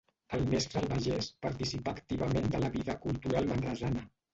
El mestre Albagés participà activament de la vida cultural manresana.